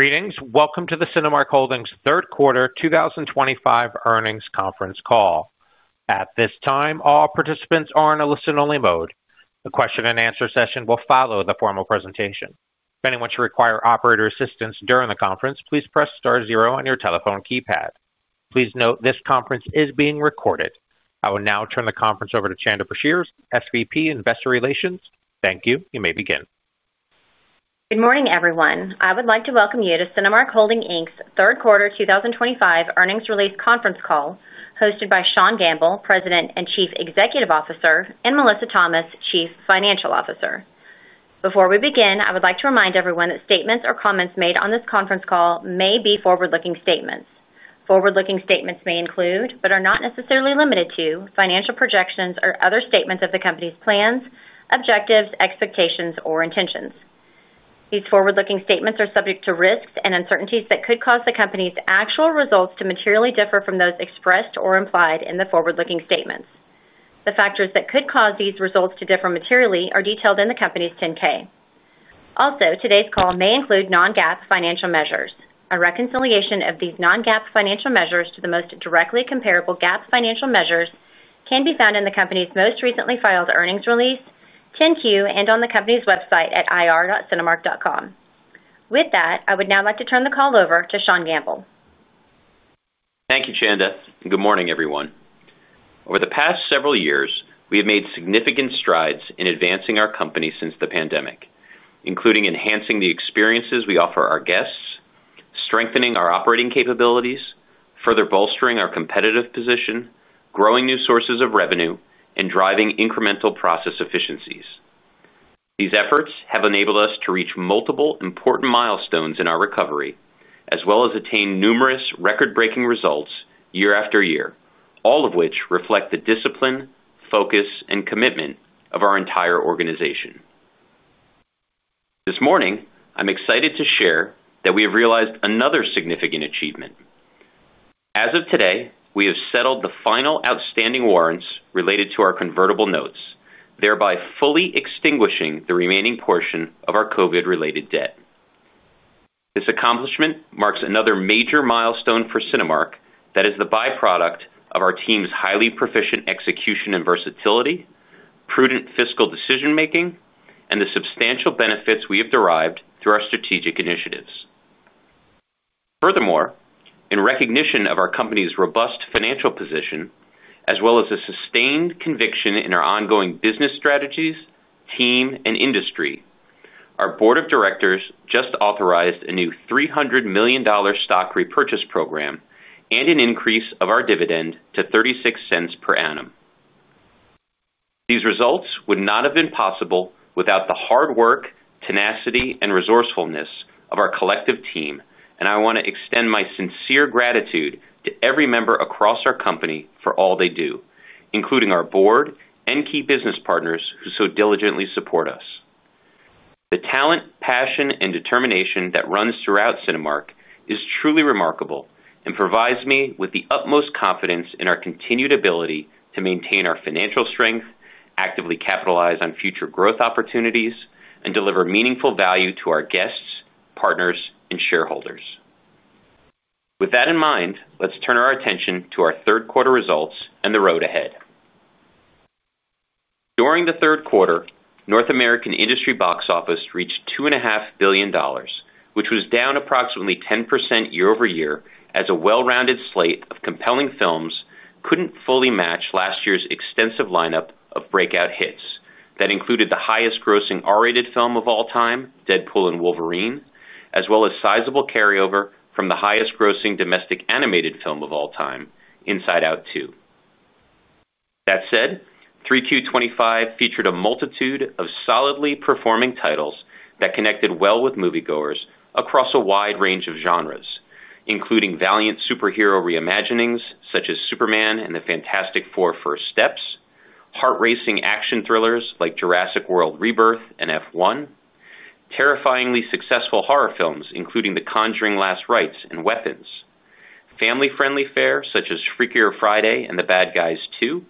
Greetings. Welcome to the Cinemark Holdings third quarter 2025 earnings conference call. At this time, all participants are in a listen-only mode. The question-and-answer session will follow the formal presentation. If anyone should require operator assistance during the conference, please press star zero on your telephone keypad. Please note this conference is being recorded. I will now turn the conference over to Chanda Brashears, SVP Investor Relations. Thank you. You may begin. Good morning, everyone. I would like to welcome you to Cinemark Holdings Inc.'s third quarter 2025 earnings release conference call, hosted by Sean Gamble, President and Chief Executive Officer, and Melissa Thomas, Chief Financial Officer. Before we begin, I would like to remind everyone that statements or comments made on this conference call may be forward-looking statements. Forward-looking statements may include, but are not necessarily limited to, financial projections or other statements of the company's plans, objectives, expectations, or intentions. These forward-looking statements are subject to risks and uncertainties that could cause the company's actual results to materially differ from those expressed or implied in the forward-looking statements. The factors that could cause these results to differ materially are detailed in the company's 10-K. Also, today's call may include non-GAAP financial measures. A reconciliation of these non-GAAP financial measures to the most directly comparable GAAP financial measures can be found in the company's most recently filed earnings release, 10-Q, and on the company's website at ir.cinemark.com. With that, I would now like to turn the call over to Sean Gamble. Thank you, Chanda. Good morning, everyone. Over the past several years, we have made significant strides in advancing our company since the pandemic, including enhancing the experiences we offer our guests, strengthening our operating capabilities, further bolstering our competitive position, growing new sources of revenue, and driving incremental process efficiencies. These efforts have enabled us to reach multiple important milestones in our recovery, as well as attain numerous record-breaking results year after year, all of which reflect the discipline, focus, and commitment of our entire organization. This morning, I'm excited to share that we have realized another significant achievement. As of today, we have settled the final outstanding warrants related to our convertible notes, thereby fully extinguishing the remaining portion of our COVID-related debt. This accomplishment marks another major milestone for Cinemark that is the byproduct of our team's highly proficient execution and versatility, prudent fiscal decision-making, and the substantial benefits we have derived through our strategic initiatives. Furthermore, in recognition of our company's robust financial position, as well as a sustained conviction in our ongoing business strategies, team, and industry, our board of directors just authorized a new $300 million stock repurchase program and an increase of our dividend to $0.36 per annum. These results would not have been possible without the hard work, tenacity, and resourcefulness of our collective team, and I want to extend my sincere gratitude to every member across our company for all they do, including our board and key business partners who so diligently support us. The talent, passion, and determination that runs throughout Cinemark is truly remarkable and provides me with the utmost confidence in our continued ability to maintain our financial strength, actively capitalize on future growth opportunities, and deliver meaningful value to our guests, partners, and shareholders. With that in mind, let's turn our attention to our third quarter results and the road ahead. During the third quarter, North American industry box office reached $2.5 billion, which was down approximately 10% year-over-year as a well-rounded slate of compelling films couldn't fully match last year's extensive lineup of breakout hits that included the highest-grossing R-rated film of all time, Deadpool & Wolverine, as well as sizable carryover from the highest-grossing domestic animated film of all time, Inside Out 2. That said, 3Q 2025 featured a multitude of solidly performing titles that connected well with moviegoers across a wide range of genres, including valiant superhero reimaginings such as Superman and the Fantastic Four: First Steps, heart-racing action thrillers like Jurassic World: Rebirth and F1, terrifyingly successful horror films including The Conjuring: Last Rites and Weapons, family-friendly fare such as Freakier Friday and The Bad Guys 2,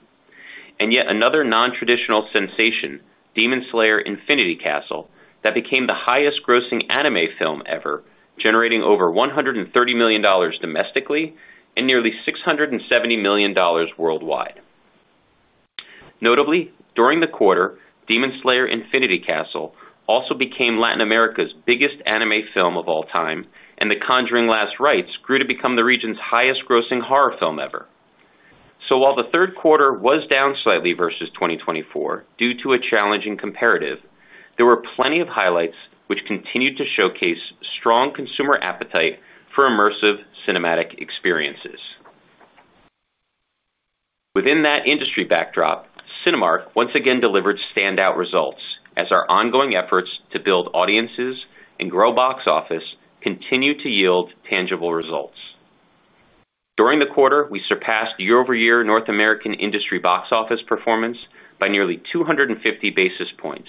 and yet another non-traditional sensation, Demon Slayer: Infinity Castle, that became the highest-grossing anime film ever, generating over $130 million domestically and nearly $670 million worldwide. Notably, during the quarter, Demon Slayer: Infinity Castle also became Latin America's biggest anime film of all time, and The Conjuring: Last Rites grew to become the region's highest-grossing horror film ever. While the third quarter was down slightly versus 2024 due to a challenging comparative, there were plenty of highlights which continued to showcase strong consumer appetite for immersive cinematic experiences. Within that industry backdrop, Cinemark once again delivered standout results as our ongoing efforts to build audiences and grow box office continue to yield tangible results. During the quarter, we surpassed year-over-year North American industry box office performance by nearly 250 basis points,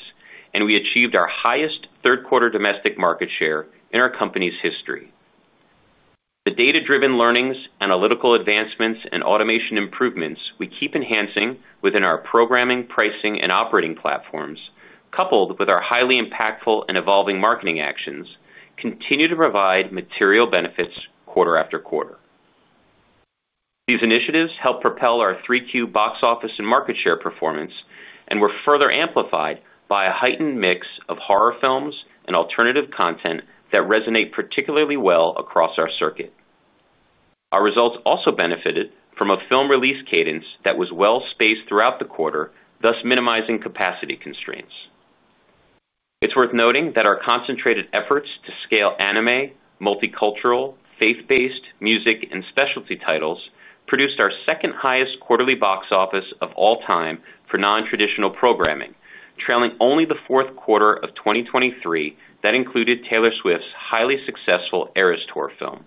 and we achieved our highest third-quarter domestic market share in our company's history. The data-driven learnings, analytical advancements, and automation improvements we keep enhancing within our programming, pricing, and operating platforms, coupled with our highly impactful and evolving marketing actions, continue to provide material benefits quarter after quarter. These initiatives help propel our 3Q box office and market share performance and were further amplified by a heightened mix of horror films and alternative content that resonate particularly well across our circuit. Our results also benefited from a film release cadence that was well spaced throughout the quarter, thus minimizing capacity constraints. It's worth noting that our concentrated efforts to scale anime, multicultural, faith-based, music, and specialty titles produced our second-highest quarterly box office of all time for non-traditional programming, trailing only the fourth quarter of 2023 that included Taylor Swift's highly successful Eras Tour film.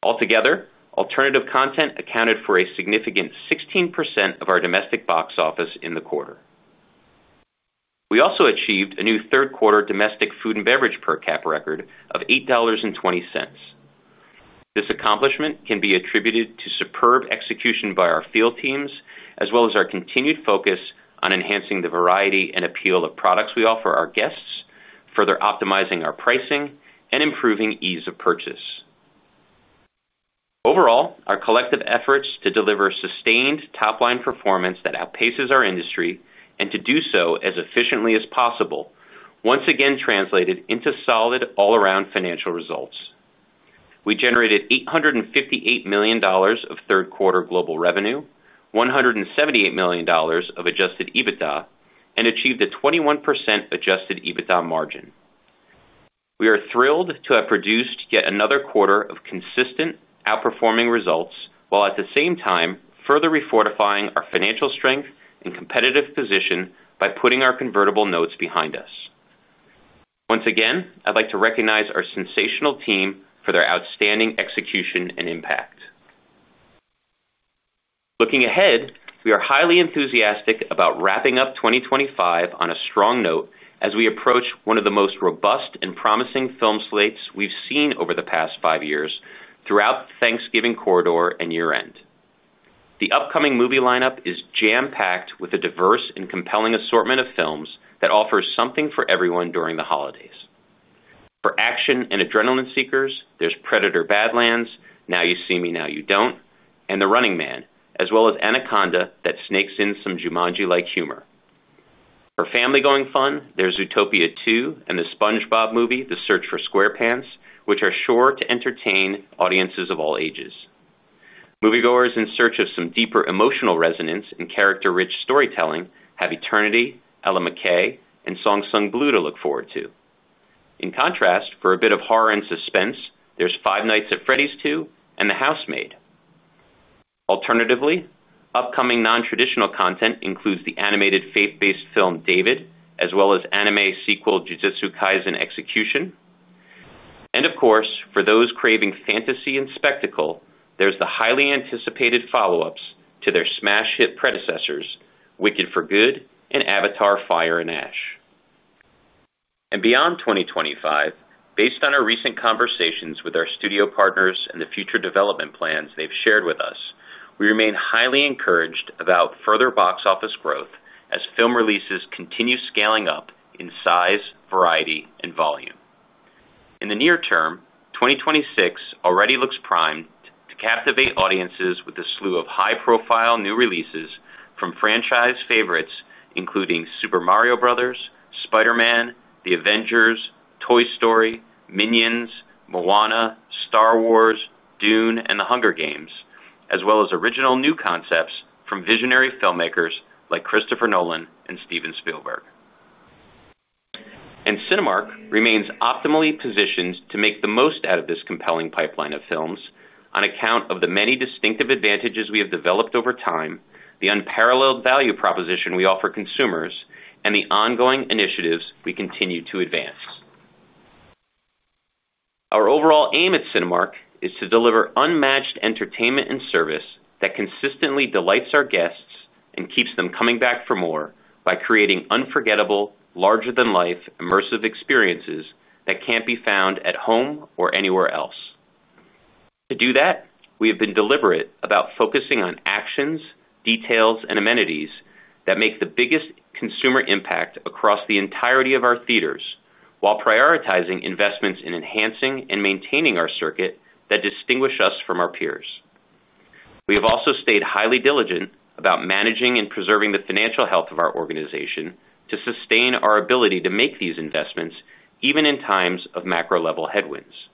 Altogether, alternative content accounted for a significant 16% of our domestic box office in the quarter. We also achieved a new third-quarter domestic food and beverage per cap record of $8.20. This accomplishment can be attributed to superb execution by our field teams, as well as our continued focus on enhancing the variety and appeal of products we offer our guests, further optimizing our pricing, and improving ease of purchase. Overall, our collective efforts to deliver sustained top-line performance that outpaces our industry and to do so as efficiently as possible once again translated into solid all-around financial results. We generated $858 million of third-quarter global revenue, $178 million of adjusted EBITDA, and achieved a 21% adjusted EBITDA margin. We are thrilled to have produced yet another quarter of consistent outperforming results while at the same time further refortifying our financial strength and competitive position by putting our convertible notes behind us. Once again, I'd like to recognize our sensational team for their outstanding execution and impact. Looking ahead, we are highly enthusiastic about wrapping up 2025 on a strong note as we approach one of the most robust and promising film slates we've seen over the past five years throughout the Thanksgiving corridor and year-end. The upcoming movie lineup is jam-packed with a diverse and compelling assortment of films that offers something for everyone during the holidays. For action and adrenaline seekers, there's Predator: Badlands, Now You See Me, Now You Don't, and The Running Man, as well as Anaconda that snakes in some Jumanji-like humor. For family-going fun, there's Utopia 2 and the SpongeBob Movie: The Search for SquarePants, which are sure to entertain audiences of all ages. Moviegoers in search of some deeper emotional resonance and character-rich storytelling have Eternity, Ella McCay, and Song Sung Blue to look forward to. In contrast, for a bit of horror and suspense, there's Five Nights at Freddy's 2 and The Housemaid. Alternatively, upcoming non-traditional content includes the animated faith-based film David, as well as anime sequel Jujutsu Kaisen: Execution. Of course, for those craving fantasy and spectacle, there's the highly anticipated follow-ups to their smash hit predecessors, Wicked: For Good and Avatar: Fire and Ash. Beyond 2025, based on our recent conversations with our studio partners and the future development plans they've shared with us, we remain highly encouraged about further box office growth as film releases continue scaling up in size, variety, and volume. In the near term, 2026 already looks primed to captivate audiences with a slew of high-profile new releases from franchise favorites including Super Mario Bros., Spider-Man, The Avengers, Toy Story, Minions, Moana, Star Wars, Dune, and The Hunger Games, as well as original new concepts from visionary filmmakers like Christopher Nolan and Steven Spielberg. Cinemark remains optimally positioned to make the most out of this compelling pipeline of films on account of the many distinctive advantages we have developed over time, the unparalleled value proposition we offer consumers, and the ongoing initiatives we continue to advance. Our overall aim at Cinemark is to deliver unmatched entertainment and service that consistently delights our guests and keeps them coming back for more by creating unforgettable, larger-than-life immersive experiences that can't be found at home or anywhere else. To do that, we have been deliberate about focusing on actions, details, and amenities that make the biggest consumer impact across the entirety of our theaters while prioritizing investments in enhancing and maintaining our circuit that distinguish us from our peers. We have also stayed highly diligent about managing and preserving the financial health of our organization to sustain our ability to make these investments even in times of macro-level headwinds.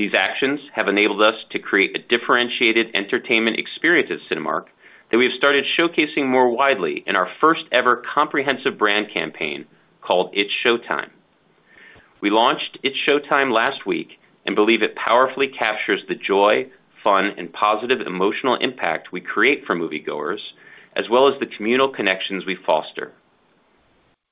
These actions have enabled us to create a differentiated entertainment experience at Cinemark that we have started showcasing more widely in our first-ever comprehensive brand campaign called It's Showtime. We launched It's Showtime last week and believe it powerfully captures the joy, fun, and positive emotional impact we create for moviegoers, as well as the communal connections we foster.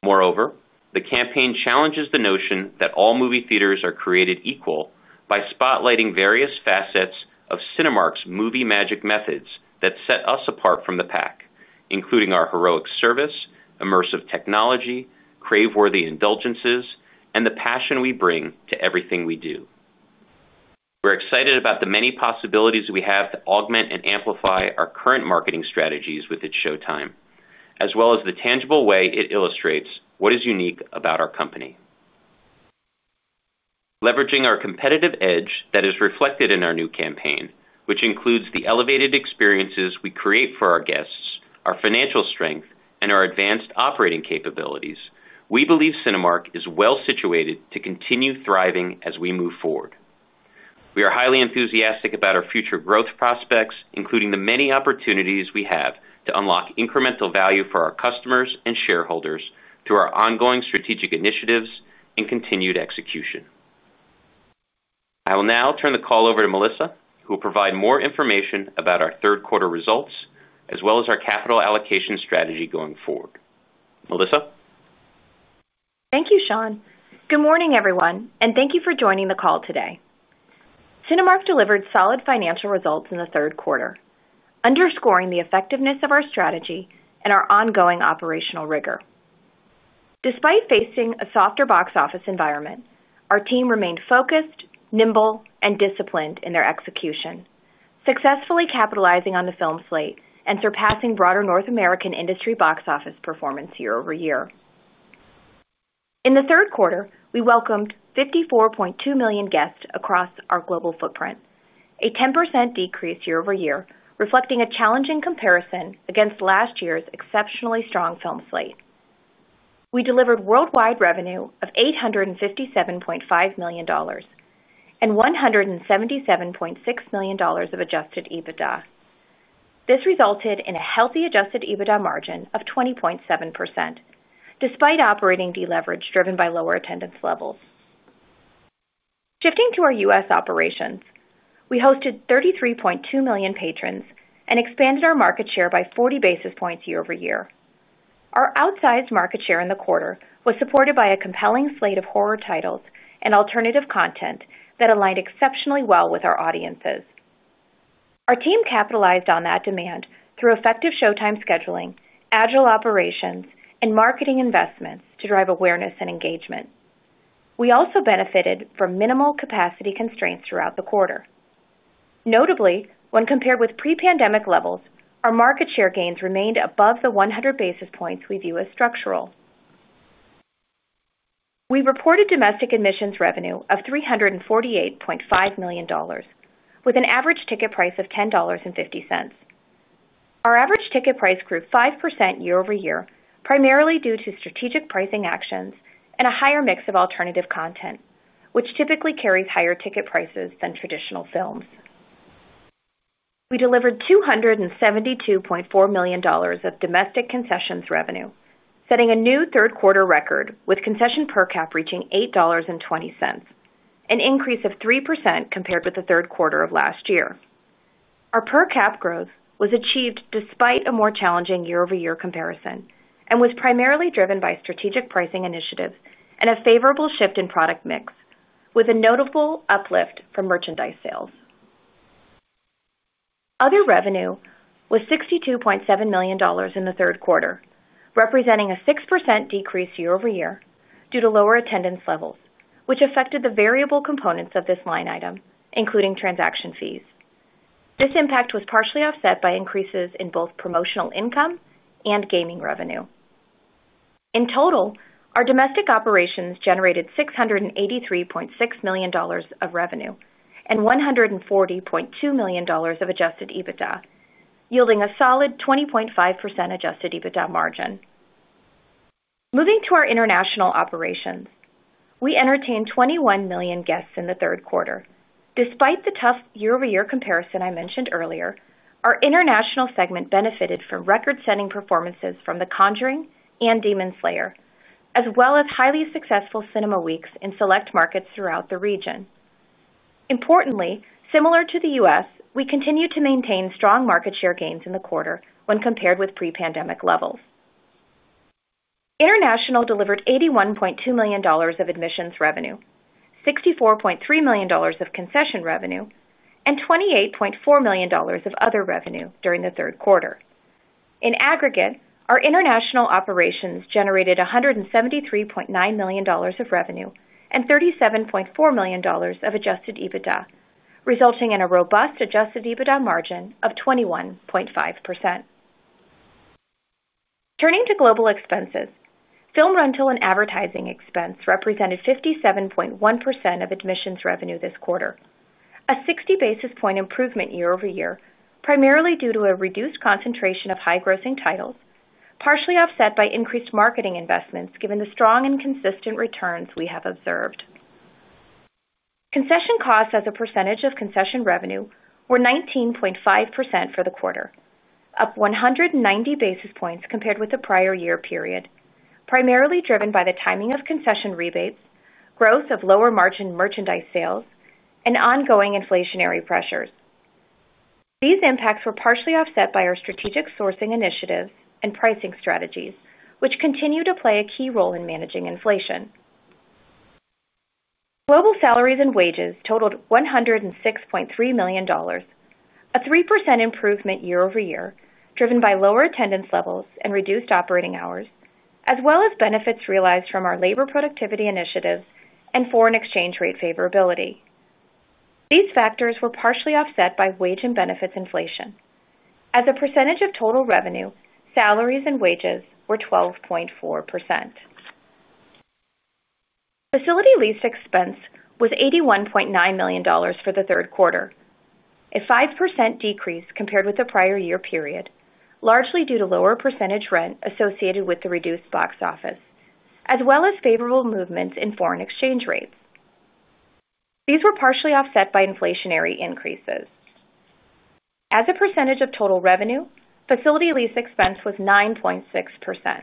Moreover, the campaign challenges the notion that all movie theaters are created equal by spotlighting various facets of Cinemark's movie magic methods that set us apart from the pack, including our heroic service, immersive technology, crave-worthy indulgences, and the passion we bring to everything we do. We're excited about the many possibilities we have to augment and amplify our current marketing strategies with It's Showtime, as well as the tangible way it illustrates what is unique about our company. Leveraging our competitive edge that is reflected in our new campaign, which includes the elevated experiences we create for our guests, our financial strength, and our advanced operating capabilities, we believe Cinemark is well situated to continue thriving as we move forward. We are highly enthusiastic about our future growth prospects, including the many opportunities we have to unlock incremental value for our customers and shareholders through our ongoing strategic initiatives and continued execution. I will now turn the call over to Melissa, who will provide more information about our third-quarter results as well as our capital allocation strategy going forward. Melissa. Thank you, Sean. Good morning, everyone, and thank you for joining the call today. Cinemark delivered solid financial results in the third quarter, underscoring the effectiveness of our strategy and our ongoing operational rigor. Despite facing a softer box office environment, our team remained focused, nimble, and disciplined in their execution, successfully capitalizing on the film slate and surpassing broader North American industry box office performance year-over-year. In the third quarter, we welcomed 54.2 million guests across our global footprint, a 10% decrease year-over-year, reflecting a challenging comparison against last year's exceptionally strong film slate. We delivered worldwide revenue of $857.5 million and $177.6 million of adjusted EBITDA. This resulted in a healthy adjusted EBITDA margin of 20.7%, despite operating deleverage driven by lower attendance levels. Shifting to our U.S. Operations, we hosted 33.2 million patrons and expanded our market share by 40 basis points year-over-year. Our outsized market share in the quarter was supported by a compelling slate of horror titles and alternative content that aligned exceptionally well with our audiences. Our team capitalized on that demand through effective showtime scheduling, agile operations, and marketing investments to drive awareness and engagement. We also benefited from minimal capacity constraints throughout the quarter. Notably, when compared with pre-pandemic levels, our market share gains remained above the 100 basis points we view as structural. We reported domestic admissions revenue of $348.5 million, with an average ticket price of $10.50. Our average ticket price grew 5% year-over-year, primarily due to strategic pricing actions and a higher mix of alternative content, which typically carries higher ticket prices than traditional films. We delivered $272.4 million of domestic concessions revenue, setting a new third-quarter record with concession per cap reaching $8.20, an increase of 3% compared with the third quarter of last year. Our per cap growth was achieved despite a more challenging year-over-year comparison and was primarily driven by strategic pricing initiatives and a favorable shift in product mix, with a notable uplift from merchandise sales. Other revenue was $62.7 million in the third quarter, representing a 6% decrease year-over-year due to lower attendance levels, which affected the variable components of this line item, including transaction fees. This impact was partially offset by increases in both promotional income and gaming revenue. In total, our domestic operations generated $683.6 million of revenue and $140.2 million of adjusted EBITDA, yielding a solid 20.5% adjusted EBITDA margin. Moving to our international operations, we entertained 21 million guests in the third quarter. Despite the tough year-over-year comparison I mentioned earlier, our international segment benefited from record-setting performances from The Conjuring and Demon Slayer, as well as highly successful cinema weeks in select markets throughout the region. Importantly, similar to the U.S., we continue to maintain strong market share gains in the quarter when compared with pre-pandemic levels. International delivered $81.2 million of admissions revenue, $64.3 million of concession revenue, and $28.4 million of other revenue during the third quarter. In aggregate, our international operations generated $173.9 million of revenue and $37.4 million of adjusted EBITDA, resulting in a robust adjusted EBITDA margin of 21.5%. Turning to global expenses, film rental and advertising expense represented 57.1% of admissions revenue this quarter, a 60 basis point improvement year-over-year, primarily due to a reduced concentration of high-grossing titles, partially offset by increased marketing investments given the strong and consistent returns we have observed. Concession costs as a percentage of concession revenue were 19.5% for the quarter, up 190 basis points compared with the prior year period, primarily driven by the timing of concession rebates, growth of lower-margin merchandise sales, and ongoing inflationary pressures. These impacts were partially offset by our strategic sourcing initiatives and pricing strategies, which continue to play a key role in managing inflation. Global salaries and wages totaled $106.3 million. A 3% improvement year-over-year, driven by lower attendance levels and reduced operating hours, as well as benefits realized from our labor productivity initiatives and foreign exchange rate favorability. These factors were partially offset by wage and benefits inflation. As a percentage of total revenue, salaries and wages were 12.4%. Facility lease expense was $81.9 million for the third quarter, a 5% decrease compared with the prior year period, largely due to lower percentage rent associated with the reduced box office, as well as favorable movements in foreign exchange rates. These were partially offset by inflationary increases. As a percentage of total revenue, facility lease expense was 9.6%.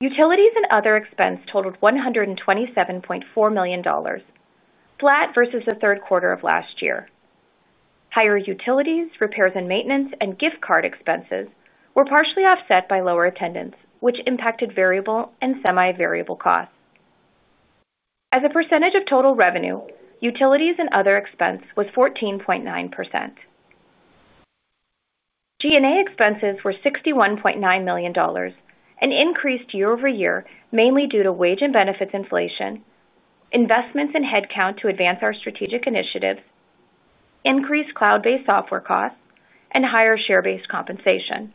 Utilities and other expense totaled $127.4 million. Flat versus the third quarter of last year. Higher utilities, repairs and maintenance, and gift card expenses were partially offset by lower attendance, which impacted variable and semi-variable costs. As a percentage of total revenue, utilities and other expense was 14.9%. G&A expenses were $61.9 million, an increase year-over-year mainly due to wage and benefits inflation, investments in headcount to advance our strategic initiatives, increased cloud-based software costs, and higher share-based compensation.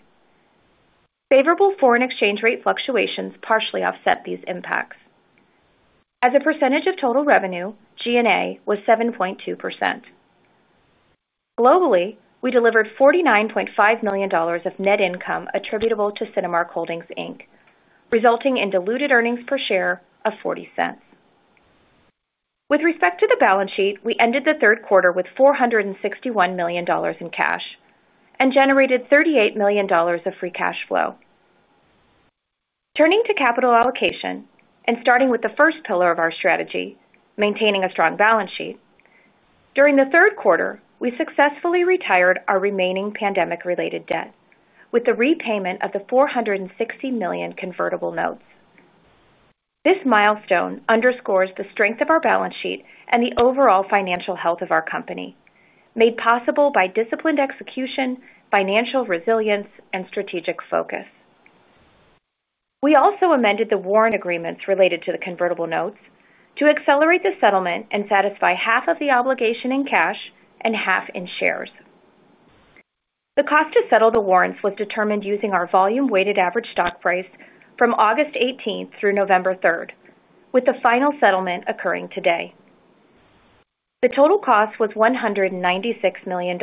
Favorable foreign exchange rate fluctuations partially offset these impacts. As a percentage of total revenue, G&A was 7.2%. Globally, we delivered $49.5 million of net income attributable to Cinemark Holdings Inc., resulting in diluted earnings per share of $0.40. With respect to the balance sheet, we ended the third quarter with $461 million in cash and generated $38 million of free cash flow. Turning to capital allocation and starting with the first pillar of our strategy, maintaining a strong balance sheet, during the third quarter, we successfully retired our remaining pandemic-related debt with the repayment of the $460 million convertible notes. This milestone underscores the strength of our balance sheet and the overall financial health of our company, made possible by disciplined execution, financial resilience, and strategic focus. We also amended the warrant agreements related to the convertible notes to accelerate the settlement and satisfy half of the obligation in cash and half in shares. The cost to settle the warrants was determined using our volume-weighted average stock price from August 18 through November 3rd, with the final settlement occurring today. The total cost was $196 million,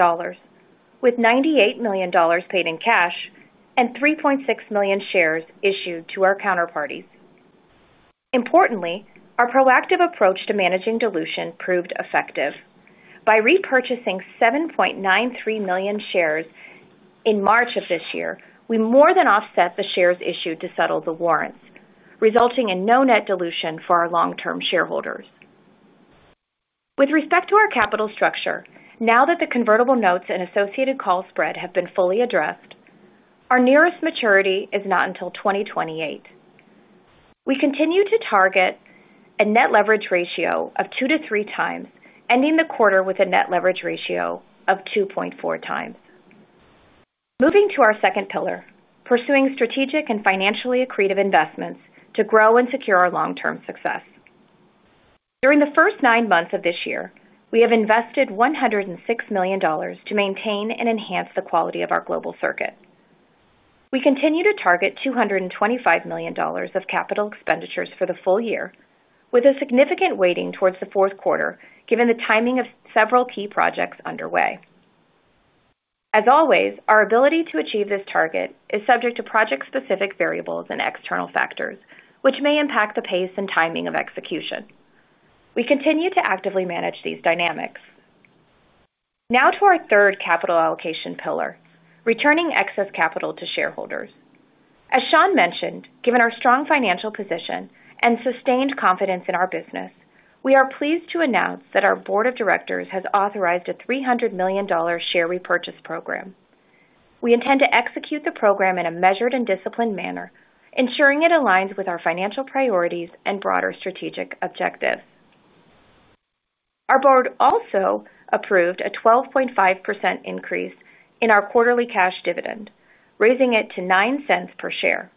with $98 million paid in cash and 3.6 million shares issued to our counterparties. Importantly, our proactive approach to managing dilution proved effective. By repurchasing 7.93 million shares in March of this year, we more than offset the shares issued to settle the warrants, resulting in no net dilution for our long-term shareholders. With respect to our capital structure, now that the convertible notes and associated call spread have been fully addressed, our nearest maturity is not until 2028. We continue to target a net leverage ratio of 2x-3x, ending the quarter with a net leverage ratio of 2.4x. Moving to our second pillar, pursuing strategic and financially accretive investments to grow and secure our long-term success. During the first nine months of this year, we have invested $106 million to maintain and enhance the quality of our global circuit. We continue to target $225 million of capital expenditures for the full year, with a significant weighting towards the fourth quarter given the timing of several key projects underway. As always, our ability to achieve this target is subject to project-specific variables and external factors, which may impact the pace and timing of execution. We continue to actively manage these dynamics. Now to our third capital allocation pillar, returning excess capital to shareholders. As Sean mentioned, given our strong financial position and sustained confidence in our business, we are pleased to announce that our board of directors has authorized a $300 million share repurchase program. We intend to execute the program in a measured and disciplined manner, ensuring it aligns with our financial priorities and broader strategic objectives. Our board also approved a 12.5% increase in our quarterly cash dividend, raising it to $0.09 per share,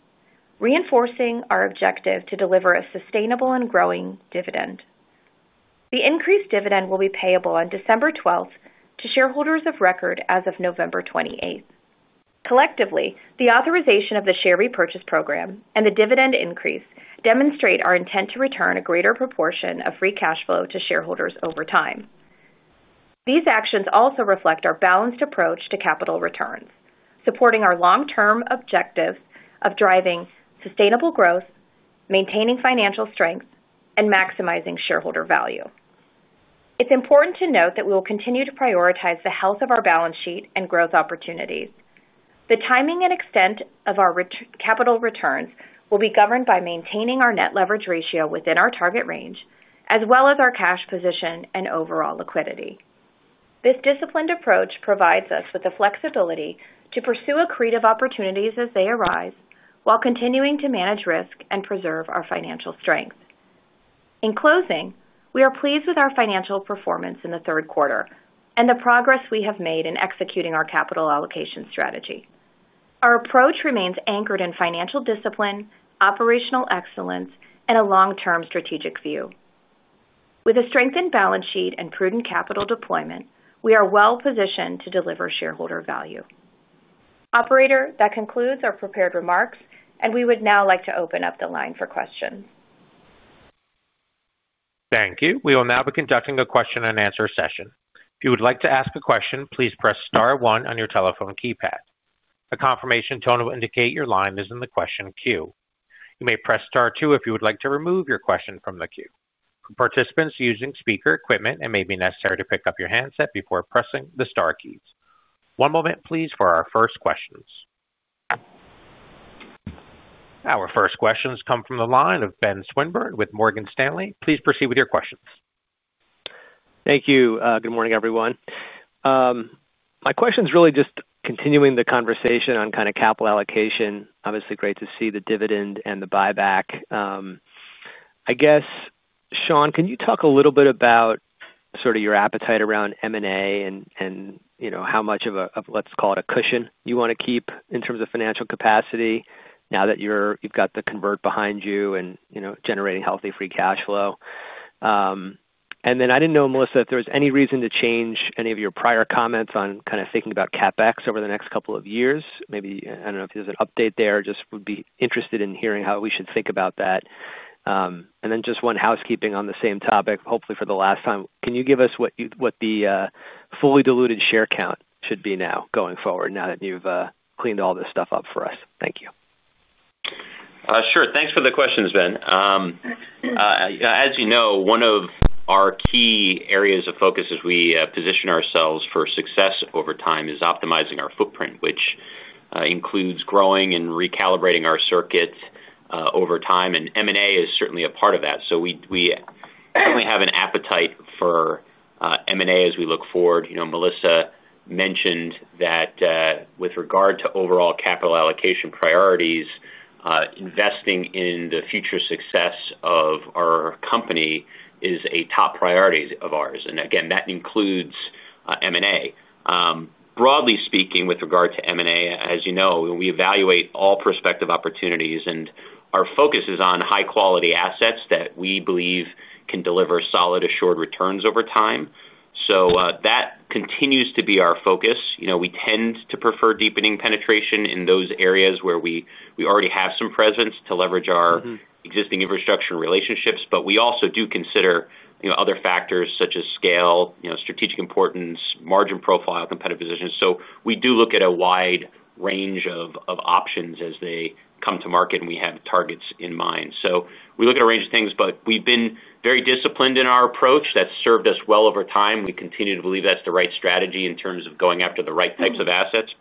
reinforcing our objective to deliver a sustainable and growing dividend. The increased dividend will be payable on December 12th to shareholders of record as of November 28th. Collectively, the authorization of the share repurchase program and the dividend increase demonstrate our intent to return a greater proportion of free cash flow to shareholders over time. These actions also reflect our balanced approach to capital returns, supporting our long-term objectives of driving sustainable growth, maintaining financial strength, and maximizing shareholder value. It's important to note that we will continue to prioritize the health of our balance sheet and growth opportunities. The timing and extent of our capital returns will be governed by maintaining our net leverage ratio within our target range, as well as our cash position and overall liquidity. This disciplined approach provides us with the flexibility to pursue accretive opportunities as they arise while continuing to manage risk and preserve our financial strength. In closing, we are pleased with our financial performance in the third quarter and the progress we have made in executing our capital allocation strategy. Our approach remains anchored in financial discipline, operational excellence, and a long-term strategic view. With a strengthened balance sheet and prudent capital deployment, we are well positioned to deliver shareholder value. Operator, that concludes our prepared remarks, and we would now like to open up the line for questions. Thank you. We will now be conducting a question-and-answer session. If you would like to ask a question, please press star one on your telephone keypad. A confirmation tone will indicate your line is in the question queue. You may press star two if you would like to remove your question from the queue. For participants using speaker equipment, it may be necessary to pick up your handset before pressing the star keys. One moment, please, for our first questions. Our first questions come from the line of Ben Swinburne with Morgan Stanley. Please proceed with your questions. Thank you. Good morning, everyone. My question's really just continuing the conversation on kind of capital allocation. Obviously, great to see the dividend and the buyback. I guess, Sean, can you talk a little bit about. Sort of your appetite around M&A and how much of a, let's call it a cushion, you want to keep in terms of financial capacity now that you've got the convert behind you and generating healthy free cash flow? And then I didn't know, Melissa, if there was any reason to change any of your prior comments on kind of thinking about CapEx over the next couple of years. Maybe, I don't know if there's an update there. Just would be interested in hearing how we should think about that. And then just one housekeeping on the same topic, hopefully for the last time. Can you give us what the fully diluted share count should be now going forward, now that you've cleaned all this stuff up for us? Thank you. Sure. Thanks for the questions, Ben. As you know, one of our key areas of focus as we position ourselves for success over time is optimizing our footprint, which includes growing and recalibrating our circuit over time. M&A is certainly a part of that. We certainly have an appetite for M&A as we look forward. Melissa mentioned that with regard to overall capital allocation priorities. Investing in the future success of our company is a top priority of ours. That includes M&A. Broadly speaking, with regard to M&A, as you know, we evaluate all prospective opportunities, and our focus is on high-quality assets that we believe can deliver solid assured returns over time. That continues to be our focus. We tend to prefer deepening penetration in those areas where we already have some presence to leverage our existing infrastructure and relationships. We also do consider other factors such as scale, strategic importance, margin profile, competitive position. We do look at a wide range of options as they come to market, and we have targets in mind. We look at a range of things, but we've been very disciplined in our approach. That has served us well over time. We continue to believe that's the right strategy in terms of going after the right types of assets.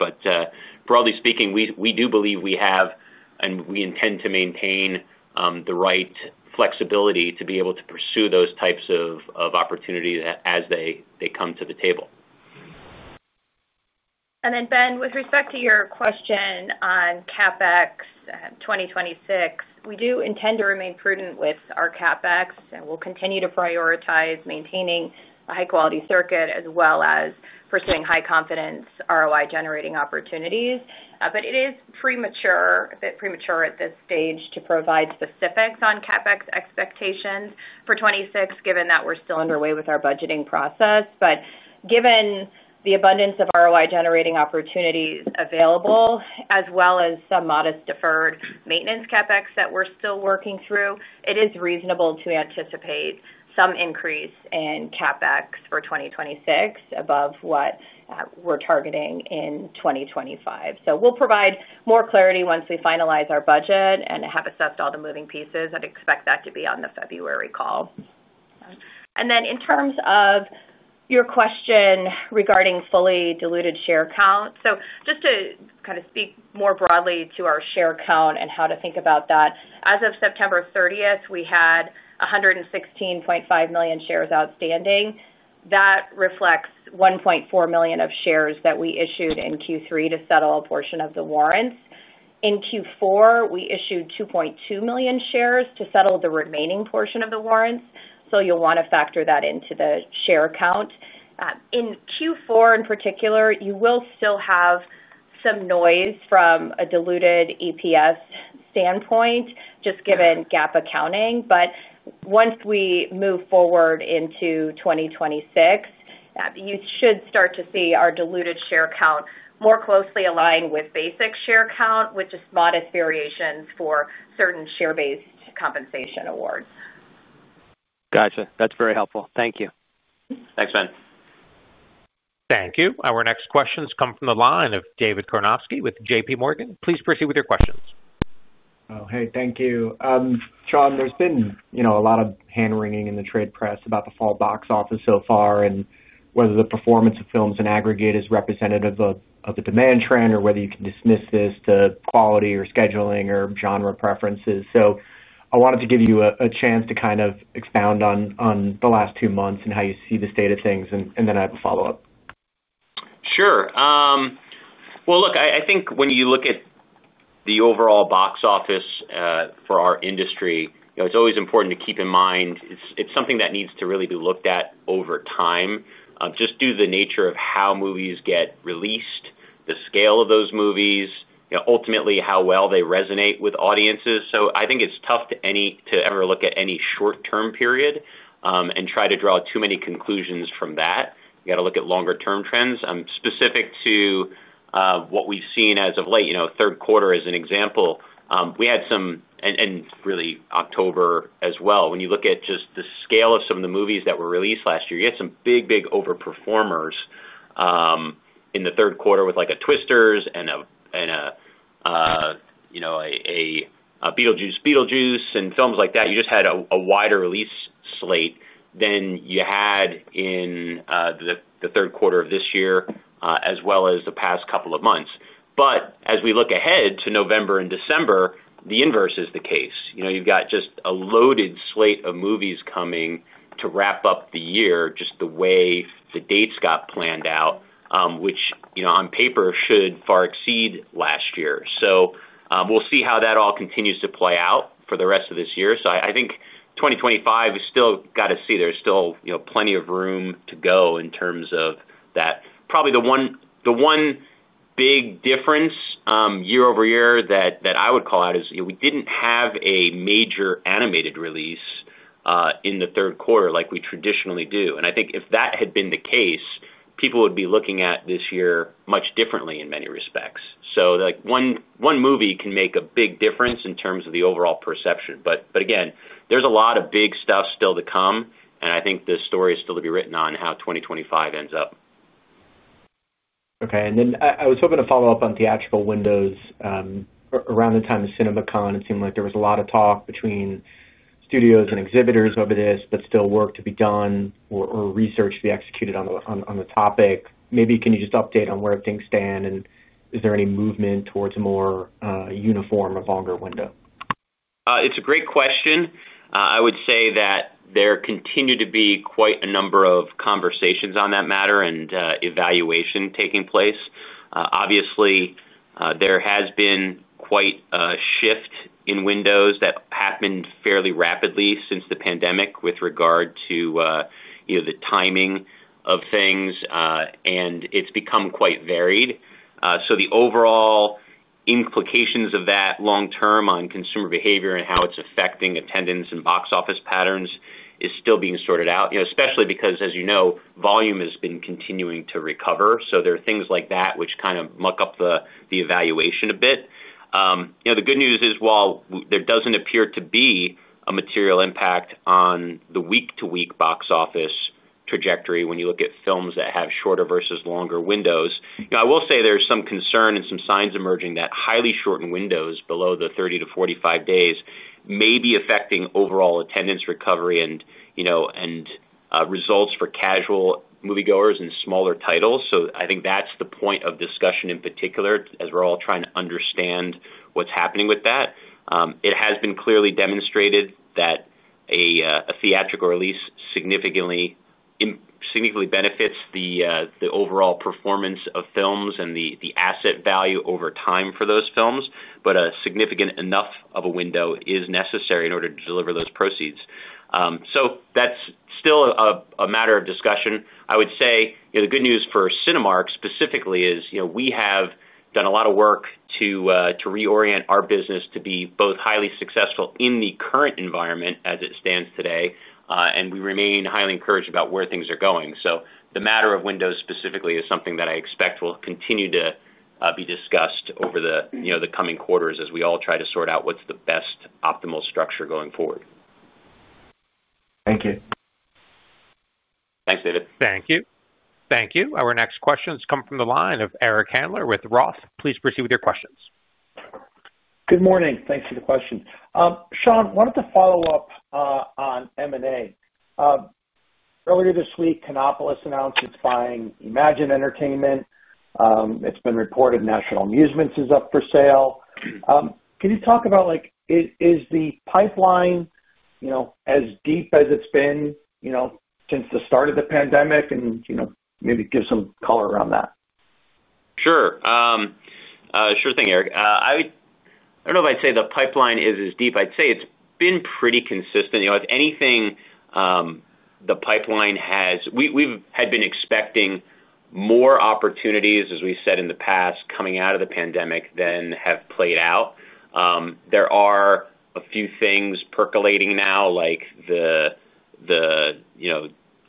Broadly speaking, we do believe we have, and we intend to maintain, the right flexibility to be able to pursue those types of opportunities as they come to the table. Then, Ben, with respect to your question on CapEx 2026, we do intend to remain prudent with our CapEx, and we'll continue to prioritize maintaining a high-quality circuit as well as pursuing high-confidence ROI-generating opportunities. It is premature at this stage to provide specifics on CapEx expectations for 2026, given that we're still underway with our budgeting process. Given the abundance of ROI-generating opportunities available, as well as some modest deferred maintenance CapEx that we're still working through, it is reasonable to anticipate some increase in CapEx for 2026 above what we're targeting in 2025. We will provide more clarity once we finalize our budget and have assessed all the moving pieces. I'd expect that to be on the February call. In terms of your question regarding fully diluted share count, just to kind of speak more broadly to our share count and how to think about that, as of September 30, we had 116.5 million shares outstanding. That reflects 1.4 million shares that we issued in Q3 to settle a portion of the warrants. In Q4, we issued 2.2 million shares to settle the remaining portion of the warrants. You will want to factor that into the share count. In Q4, in particular, you will still have some noise from a diluted EPS standpoint, just given GAAP accounting. Once we move forward into 2026, you should start to see our diluted share count more closely aligned with basic share count, with just modest variations for certain share-based compensation awards. Gotcha. That's very helpful. Thank you. Thanks, Ben. Thank you. Our next questions come from the line of David Karnovsky with JPMorgan. Please proceed with your questions. Oh, hey. Thank you. Sean, there's been a lot of hand-wringing in the trade press about the fall box office so far and whether the performance of films in aggregate is representative of the demand trend or whether you can dismiss this to quality or scheduling or genre preferences. I wanted to give you a chance to kind of expound on the last two months and how you see the state of things, and then I have a follow-up. Sure. I think when you look at the overall box office for our industry, it's always important to keep in mind it's something that needs to really be looked at over time. Just due to the nature of how movies get released, the scale of those movies, ultimately how well they resonate with audiences. I think it's tough to ever look at any short-term period. Try to draw too many conclusions from that. You got to look at longer-term trends. Specific to what we've seen as of late, third quarter as an example, we had some, and really October as well. When you look at just the scale of some of the movies that were released last year, you had some big, big overperformers. In the third quarter with like a Twisters and a Beetlejuice Beetlejuice and films like that. You just had a wider release slate than you had in the third quarter of this year as well as the past couple of months. As we look ahead to November and December, the inverse is the case. You've got just a loaded slate of movies coming to wrap up the year just the way the dates got planned out, which on paper should far exceed last year. We'll see how that all continues to play out for the rest of this year. I think 2025 is still got to see. There's still plenty of room to go in terms of that. Probably the one big difference year-over-year that I would call out is we didn't have a major animated release in the third quarter like we traditionally do. I think if that had been the case, people would be looking at this year much differently in many respects. One movie can make a big difference in terms of the overall perception. Again, there's a lot of big stuff still to come, and I think the story is still to be written on how 2025 ends up. Okay. I was hoping to follow up on theatrical windows. Around the time of CinemaCon, it seemed like there was a lot of talk between studios and exhibitors over this, but still work to be done or research to be executed on the topic. Maybe can you just update on where things stand, and is there any movement towards a more uniform or longer window? It's a great question. I would say that there continue to be quite a number of conversations on that matter and evaluation taking place. Obviously, there has been quite a shift in windows that happened fairly rapidly since the pandemic with regard to the timing of things, and it's become quite varied. The overall implications of that long-term on consumer behavior and how it's affecting attendance and box office patterns is still being sorted out, especially because, as you know, volume has been continuing to recover. There are things like that which kind of muck up the evaluation a bit. The good news is, while there does not appear to be a material impact on the week-to-week box office trajectory when you look at films that have shorter versus longer windows, I will say there is some concern and some signs emerging that highly shortened windows below the 30-45 days may be affecting overall attendance recovery and results for casual moviegoers and smaller titles. I think that is the point of discussion in particular as we are all trying to understand what is happening with that. It has been clearly demonstrated that a theatrical release significantly benefits the overall performance of films and the asset value over time for those films, but a significant enough of a window is necessary in order to deliver those proceeds. That is still a matter of discussion. I would say the good news for Cinemark specifically is we have done a lot of work to reorient our business to be both highly successful in the current environment as it stands today, and we remain highly encouraged about where things are going. The matter of windows specifically is something that I expect will continue to be discussed over the coming quarters as we all try to sort out what's the best optimal structure going forward. Thank you. Thanks, David. Thank you. Thank you. Our next questions come from the line of Eric Handler with ROTH. Please proceed with your questions. Good morning. Thanks for the question. Sean, wanted to follow up on M&A. Earlier this week, Canopolis announced it's buying Imagine Entertainment. It's been reported National Amusements is up for sale. Can you talk about. Is the pipeline as deep as it's been. Since the start of the pandemic and maybe give some color around that? Sure. Sure thing, Eric. I don't know if I'd say the pipeline is as deep. I'd say it's been pretty consistent. If anything, the pipeline has, we've had been expecting more opportunities, as we said in the past, coming out of the pandemic than have played out. There are a few things percolating now, like the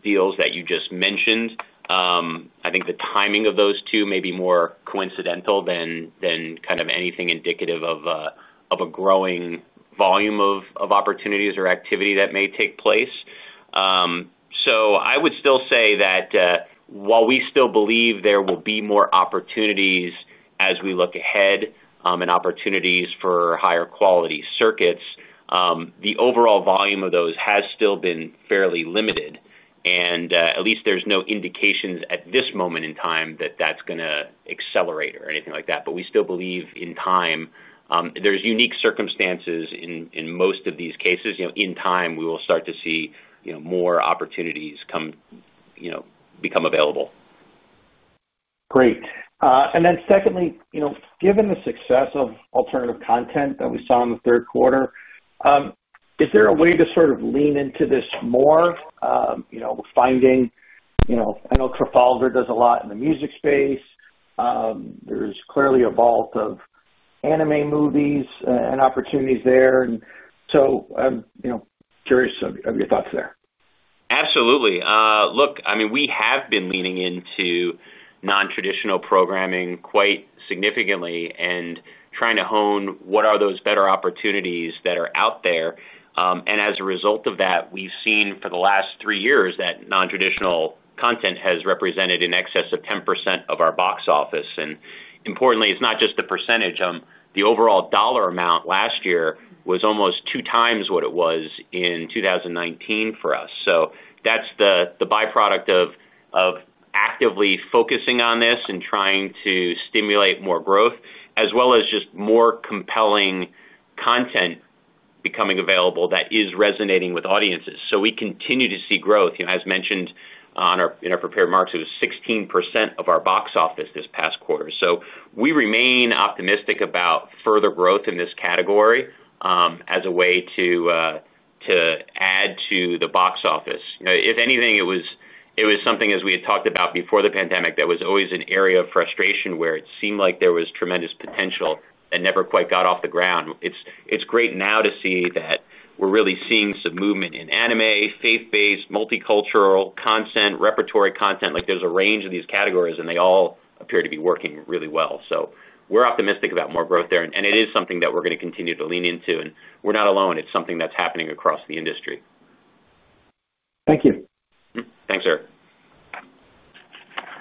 deals that you just mentioned. I think the timing of those two may be more coincidental than kind of anything indicative of a growing volume of opportunities or activity that may take place. I would still say that while we still believe there will be more opportunities as we look ahead and opportunities for higher quality circuits, the overall volume of those has still been fairly limited. There are no indications at this moment in time that that is going to accelerate or anything like that. We still believe in time. There are unique circumstances in most of these cases. In time, we will start to see more opportunities become available. Great. Secondly, given the success of alternative content that we saw in the third quarter, is there a way to sort of lean into this more? Finding. I know Chris Oliver does a lot in the music space. There is clearly a vault of anime movies and opportunities there. I am curious of your thoughts there. Absolutely. Look, I mean, we have been leaning into non-traditional programming quite significantly and trying to hone what are those better opportunities that are out there. As a result of that, we've seen for the last three years that non-traditional content has represented in excess of 10% of our box office. Importantly, it's not just the percentage. The overall dollar amount last year was almost two times what it was in 2019 for us. That's the byproduct of actively focusing on this and trying to stimulate more growth, as well as just more compelling content becoming available that is resonating with audiences. We continue to see growth. As mentioned in our prepared marks, it was 16% of our box office this past quarter. We remain optimistic about further growth in this category as a way to add to the box office. If anything, it was something, as we had talked about before the pandemic, that was always an area of frustration where it seemed like there was tremendous potential that never quite got off the ground. It's great now to see that we're really seeing some movement in anime, faith-based, multicultural content, repertory content. There's a range of these categories, and they all appear to be working really well. We are optimistic about more growth there. It is something that we're going to continue to lean into. We are not alone. It's something that's happening across the industry. Thank you. Thanks, Eric.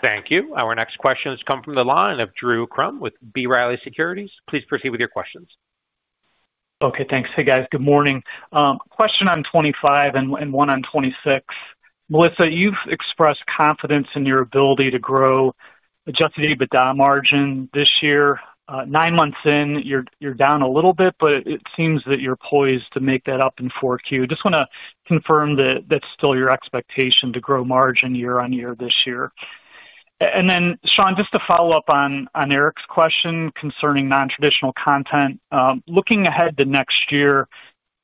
Thank you. Our next questions come from the line of Drew Crum with B. Riley Securities. Please proceed with your questions. Okay. Thanks. Hey, guys. Good morning. Question on 2025 and one on 2026. Melissa, you've expressed confidence in your ability to grow adjusted EBITDA margin this year. Nine months in, you're down a little bit, but it seems that you're poised to make that up in Q4. Just want to confirm that that's still your expectation to grow margin year on year this year. Then, Sean, just to follow up on Eric's question concerning non-traditional content, looking ahead to next year,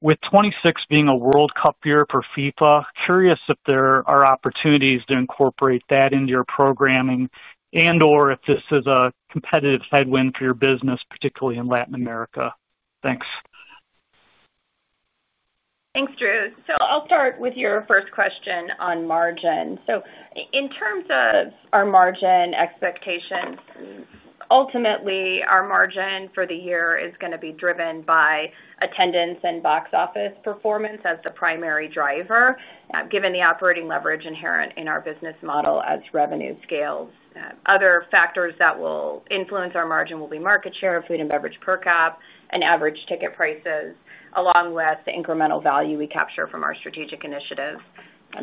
with 2026 being a World Cup year for FIFA, curious if there are opportunities to incorporate that into your programming and/or if this is a competitive headwind for your business, particularly in Latin America. Thanks. Thanks, Drew. I'll start with your first question on margin. In terms of our margin expectations, ultimately, our margin for the year is going to be driven by attendance and box office performance as the primary driver, given the operating leverage inherent in our business model as revenue scales. Other factors that will influence our margin will be market share, food and beverage per cap, and average ticket prices, along with the incremental value we capture from our strategic initiatives.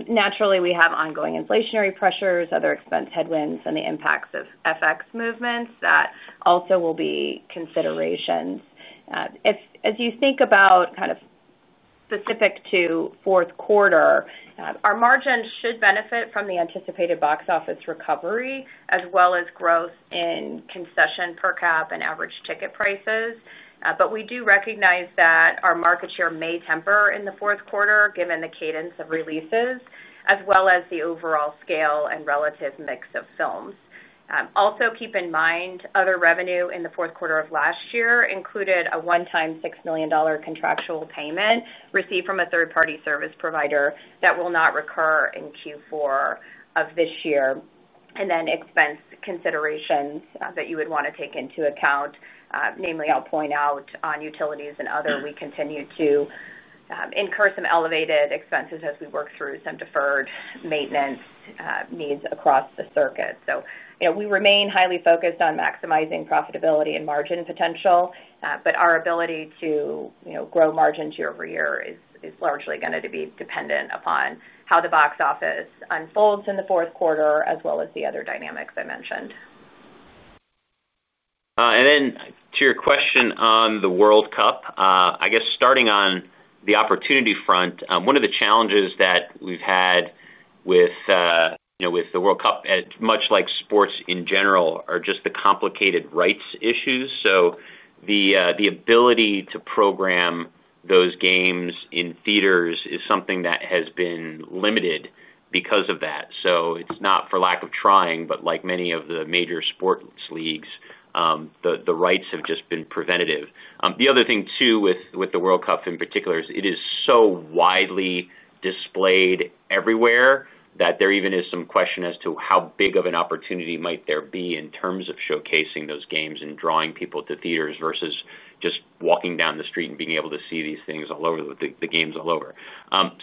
Naturally, we have ongoing inflationary pressures, other expense headwinds, and the impacts of FX movements that also will be considerations. As you think about kind of. Specific to fourth quarter, our margin should benefit from the anticipated box office recovery as well as growth in concession per cap and average ticket prices. We do recognize that our market share may temper in the fourth quarter given the cadence of releases, as well as the overall scale and relative mix of films. Also, keep in mind other revenue in the fourth quarter of last year included a one-time $6 million contractual payment received from a third-party service provider that will not recur in Q4 of this year. Expense considerations that you would want to take into account, namely, I'll point out on utilities and other, we continue to incur some elevated expenses as we work through some deferred maintenance needs across the circuit. We remain highly focused on maximizing profitability and margin potential, but our ability to grow margin year-over-year is largely going to be dependent upon how the box office unfolds in the fourth quarter, as well as the other dynamics I mentioned. To your question on the World Cup, I guess starting on the opportunity front, one of the challenges that we've had with the World Cup, much like sports in general, are just the complicated rights issues. The ability to program those games in theaters is something that has been limited because of that. It is not for lack of trying, but like many of the major sports leagues, the rights have just been preventative. The other thing too with the World Cup in particular is it is so widely displayed everywhere that there even is some question as to how big of an opportunity might there be in terms of showcasing those games and drawing people to theaters versus just walking down the street and being able to see these things all over, the games all over.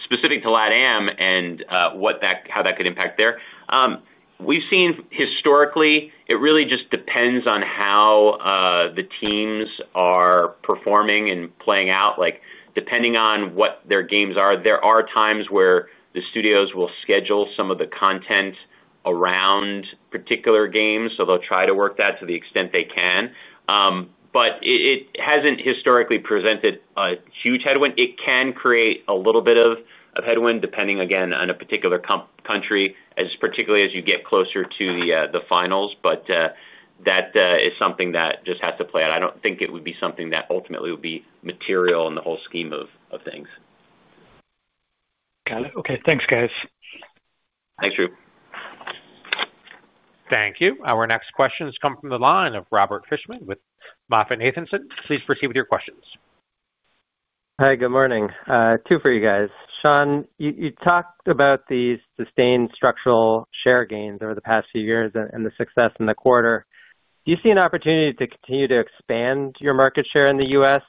Specific to Latin America and how that could impact there, we have seen historically, it really just depends on how the teams are performing and playing out. Depending on what their games are, there are times where the studios will schedule some of the content around particular games. They will try to work that to the extent they can. It has not historically presented a huge headwind. It can create a little bit of headwind, depending again on a particular country, particularly as you get closer to the finals. That is something that just has to play out. I do not think it would be something that ultimately would be material in the whole scheme of things. Got it. Okay. Thanks, guys. Thanks, Drew. Thank you. Our next questions come from the line of Robert Fishman with MoffettNathanson. Please proceed with your questions. Hi. Good morning. Two for you guys. Sean, you talked about these sustained structural share gains over the past few years and the success in the quarter. Do you see an opportunity to continue to expand your market share in the U.S.?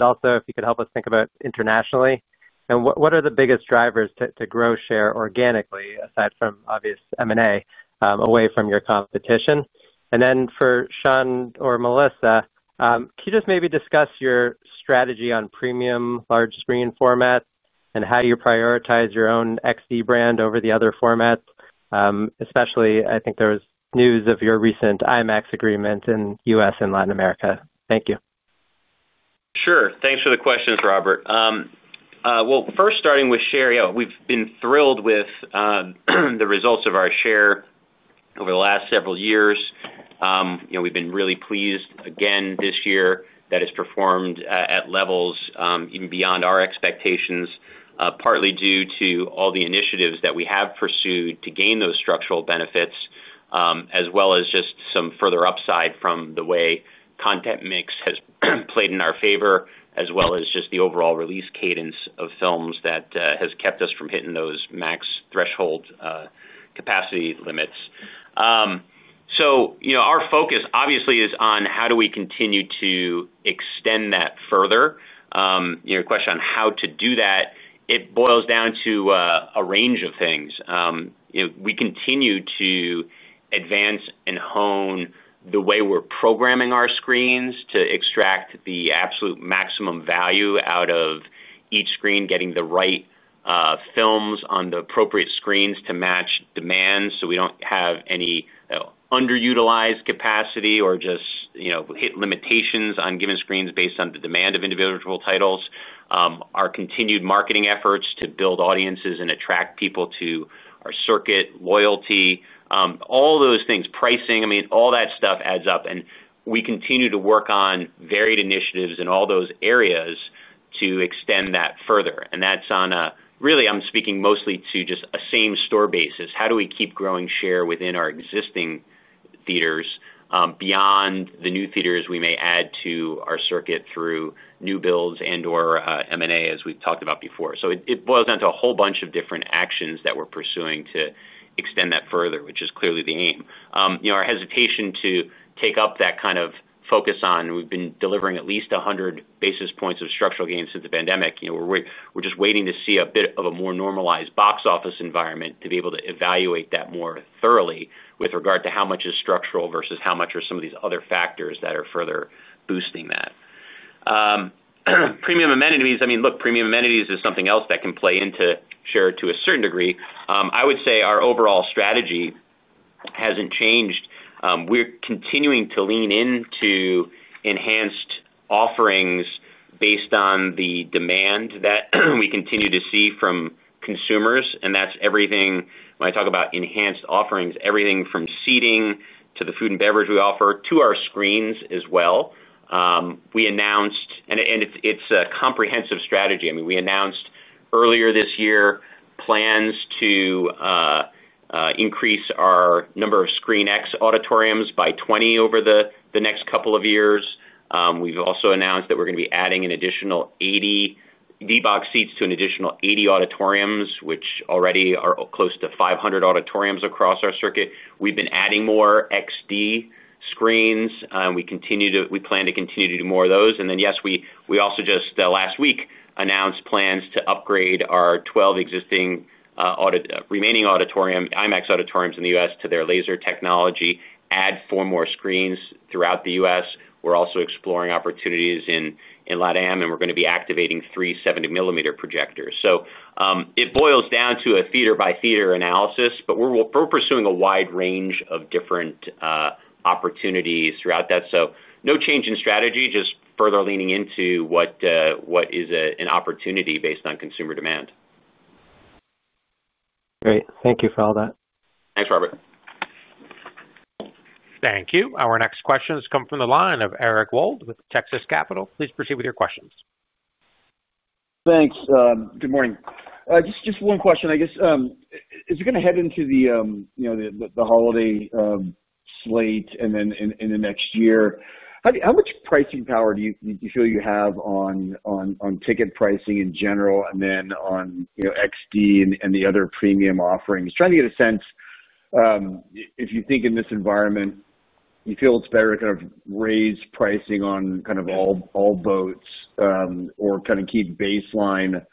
Also, if you could help us think about internationally, what are the biggest drivers to grow share organically, aside from obvious M&A, away from your competition? For Sean or Melissa, can you just maybe discuss your strategy on premium large-screen formats and how you prioritize your own XD brand over the other formats? Especially, I think there was news of your recent IMAX agreement in the U.S. and Latin America. Thank you. Sure. Thanks for the questions, Robert. First, starting with share, we've been thrilled with the results of our share over the last several years. We've been really pleased again this year that it's performed at levels even beyond our expectations, partly due to all the initiatives that we have pursued to gain those structural benefits, as well as just some further upside from the way content mix has played in our favor, as well as just the overall release cadence of films that has kept us from hitting those max threshold capacity limits. Our focus, obviously, is on how do we continue to extend that further. Your question on how to do that, it boils down to a range of things. We continue to advance and hone the way we're programming our screens to extract the absolute maximum value out of each screen, getting the right films on the appropriate screens to match demand so we do not have any underutilized capacity or just hit limitations on given screens based on the demand of individual titles. Our continued marketing efforts to build audiences and attract people to our circuit, loyalty, all those things, pricing, I mean, all that stuff adds up. We continue to work on varied initiatives in all those areas to extend that further. That is on a really, I'm speaking mostly to just a same-store basis. How do we keep growing share within our existing theaters beyond the new theaters we may add to our circuit through new builds and/or M&A, as we've talked about before? It boils down to a whole bunch of different actions that we're pursuing to extend that further, which is clearly the aim. Our hesitation to take up that kind of focus on we've been delivering at least 100 basis points of structural gains since the pandemic. We're just waiting to see a bit of a more normalized box office environment to be able to evaluate that more thoroughly with regard to how much is structural versus how much are some of these other factors that are further boosting that. Premium amenities, I mean, look, premium amenities is something else that can play into share to a certain degree. I would say our overall strategy hasn't changed. We're continuing to lean into enhanced offerings based on the demand that we continue to see from consumers. That's everything when I talk about enhanced offerings, everything from seating to the food and beverage we offer to our screens as well. I mean, we announced earlier this year plans to increase our number of ScreenX auditoriums by 20 over the next couple of years. We've also announced that we're going to be adding an additional 80 D-BOX seats to an additional 80 auditoriums, which already are close to 500 auditoriums across our circuit. We've been adding more XD screens. We plan to continue to do more of those. Yes, we also just last week announced plans to upgrade our 12 remaining IMAX auditoriums in the U.S. to their laser technology, add four more screens throughout the U.S. We're also exploring opportunities in Latin America, and we're going to be activating three 70 mm projectors. It boils down to a theater-by-theater analysis, but we're pursuing a wide range of different opportunities throughout that. No change in strategy, just further leaning into what is an opportunity based on consumer demand. Great. Thank you for all that. Thanks, Robert. Thank you. Our next questions come from the line of Eric Wold with Texas Capital. Please proceed with your questions. Thanks. Good morning. Just one question. I guess, as you're going to head into the holiday slate and then in the next year, how much pricing power do you feel you have on ticket pricing in general and then on XD and the other premium offerings? Trying to get a sense. If you think in this environment, you feel it's better to kind of raise pricing on kind of all boats or kind of keep baseline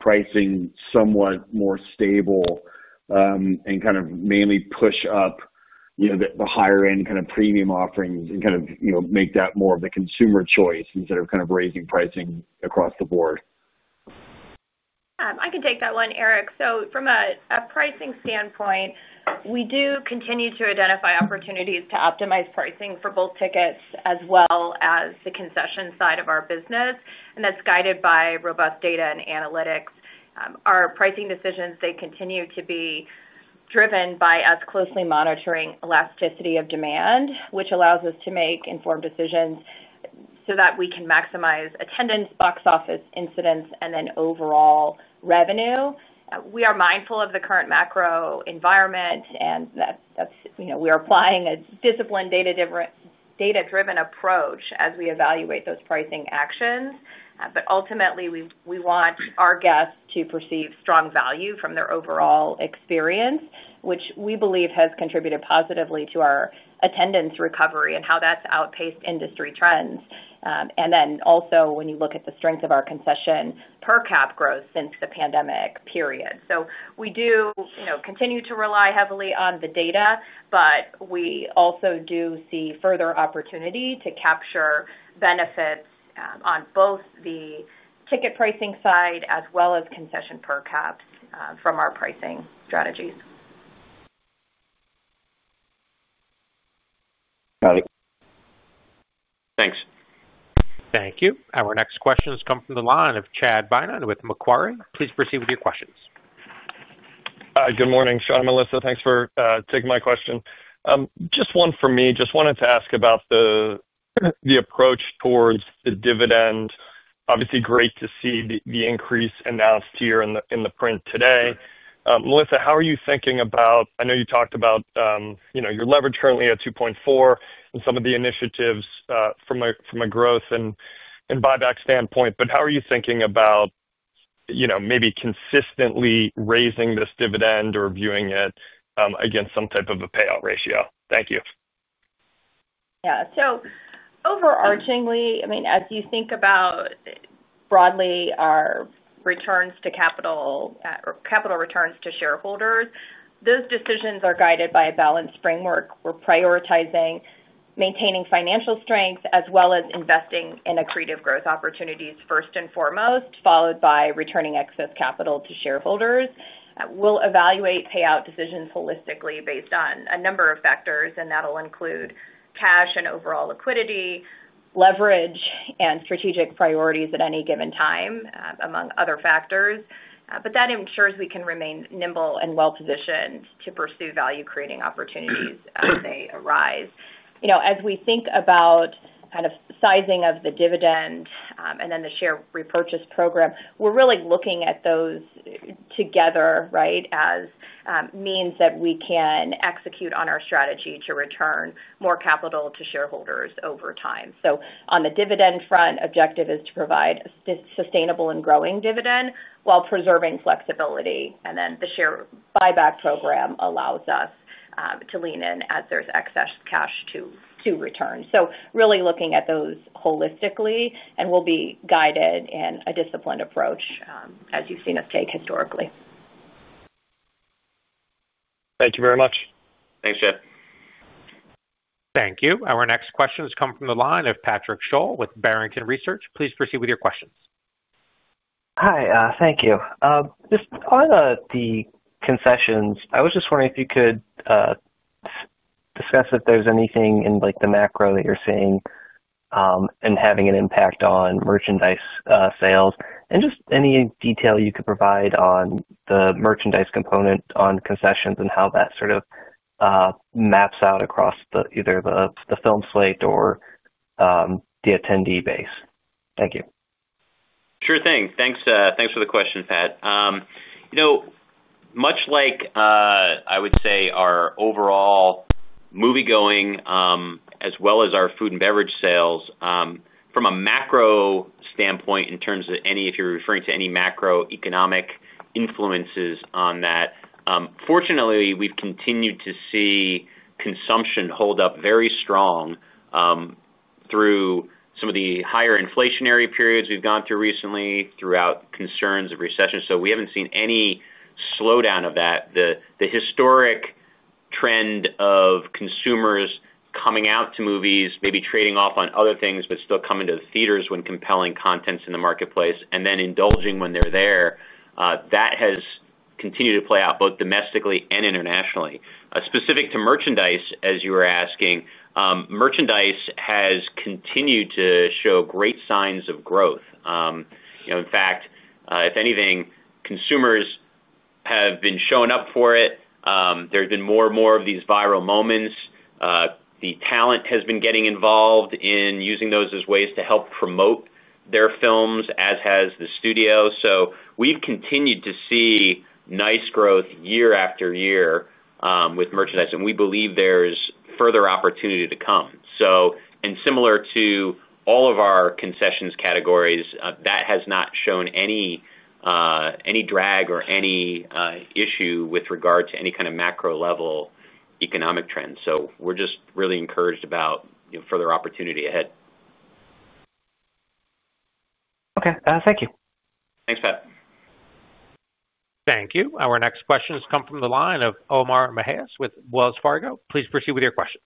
pricing somewhat more stable. And kind of mainly push up the higher-end kind of premium offerings and kind of make that more of a consumer choice instead of kind of raising pricing across the board? Yeah. I can take that one, Eric. From a pricing standpoint, we do continue to identify opportunities to optimize pricing for both tickets as well as the concession side of our business. That's guided by robust data and analytics. Our pricing decisions, they continue to be driven by us closely monitoring elasticity of demand, which allows us to make informed decisions so that we can maximize attendance, box office incidents, and then overall revenue. We are mindful of the current macro environment, and we are applying a disciplined, data-driven approach as we evaluate those pricing actions. Ultimately, we want our guests to perceive strong value from their overall experience, which we believe has contributed positively to our attendance recovery and how that's outpaced industry trends. Also, when you look at the strength of our concession per cap growth since the pandemic period. We do continue to rely heavily on the data, but we also do see further opportunity to capture benefits on both the ticket pricing side as well as concession per caps from our pricing strategies. Got it. Thanks. Thank you. Our next questions come from the line of Chad Beynon with Macquarie. Please proceed with your questions. Good morning, Sean. Melissa, thanks for taking my question. Just one for me. Just wanted to ask about the approach towards the dividend. Obviously, great to see the increase announced here in the print today. Melissa, how are you thinking about, I know you talked about your leverage currently at 2.4 and some of the initiatives from a growth and buyback standpoint, but how are you thinking about maybe consistently raising this dividend or viewing it against some type of a payout ratio? Thank you. Yeah. So overarchingly, I mean, as you think about broadly our returns to capital or capital returns to shareholders, those decisions are guided by a balanced framework. We're prioritizing maintaining financial strength as well as investing in accretive growth opportunities first and foremost, followed by returning excess capital to shareholders. We'll evaluate payout decisions holistically based on a number of factors, and that'll include cash and overall liquidity, leverage, and strategic priorities at any given time, among other factors. That ensures we can remain nimble and well-positioned to pursue value-creating opportunities as they arise. As we think about kind of sizing of the dividend and then the share repurchase program, we're really looking at those together, right, as means that we can execute on our strategy to return more capital to shareholders over time. On the dividend front, the objective is to provide a sustainable and growing dividend while preserving flexibility. The share buyback program allows us to lean in as there's excess cash to return. Really looking at those holistically, and we'll be guided in a disciplined approach as you've seen us take historically. Thank you very much. Thanks, Chad. Thank you. Our next questions come from the line of Patrick Sholl with Barrington Research. Please proceed with your questions. Hi. Thank you. Just on the concessions, I was just wondering if you could discuss if there's anything in the macro that you're seeing and having an impact on merchandise sales. And just any detail you could provide on the merchandise component on concessions and how that sort of maps out across either the film slate or the attendee base. Thank you. Sure thing. Thanks for the question, Pat. Much like, I would say, our overall movie-going as well as our food and beverage sales, from a macro standpoint in terms of any, if you're referring to any macroeconomic influences on that, fortunately, we've continued to see consumption hold up very strong through some of the higher inflationary periods we've gone through recently throughout concerns of recession. We haven't seen any slowdown of that. The historic trend of consumers coming out to movies, maybe trading off on other things, but still coming to the theaters when compelling content's in the marketplace, and then indulging when they're there, that has continued to play out both domestically and internationally. Specific to merchandise, as you were asking, merchandise has continued to show great signs of growth. In fact, if anything, consumers have been showing up for it. There have been more and more of these viral moments. The talent has been getting involved in using those as ways to help promote their films, as has the studio. We have continued to see nice growth year after year with merchandise. We believe there's further opportunity to come. Similar to all of our concessions categories, that has not shown any drag or any issue with regard to any kind of macro-level economic trends. We're just really encouraged about further opportunity ahead. Okay. Thank you. Thanks, Pat. Thank you. Our next questions come from the line of Omar Mejias with Wells Fargo. Please proceed with your questions.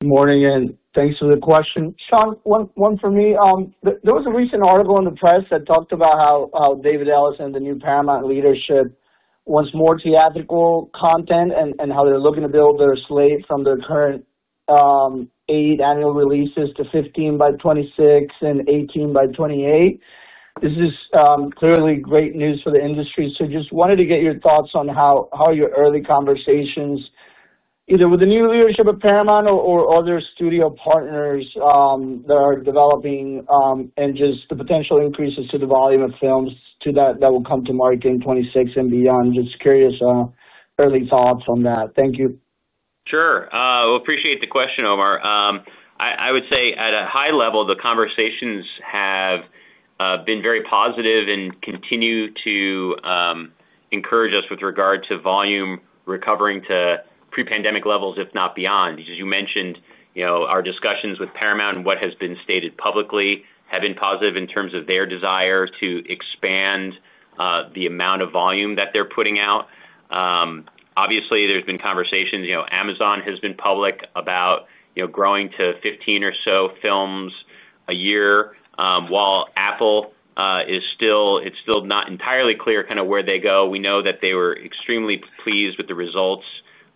Good morning and thanks for the question. Sean, one for me. There was a recent article in the press that talked about how David Ellis and the new Paramount leadership wants more theatrical content and how they're looking to build their slate from their current eight annual releases to 15 by 2026 and 18 by 2028. This is clearly great news for the industry. Just wanted to get your thoughts on how your early conversations, either with the new leadership of Paramount or other studio partners that are developing, and just the potential increases to the volume of films that will come to market in 2026 and beyond. Just curious early thoughts on that. Thank you. Sure. We appreciate the question, Omar. I would say at a high level, the conversations have been very positive and continue to encourage us with regard to volume recovering to pre-pandemic levels, if not beyond. As you mentioned, our discussions with Paramount and what has been stated publicly have been positive in terms of their desire to expand the amount of volume that they're putting out. Obviously, there have been conversations. Amazon has been public about growing to 15 or so films a year, while Apple is still not entirely clear kind of where they go. We know that they were extremely pleased with the results